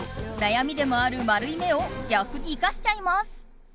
悩みでもある丸い目を逆に生かしちゃいます。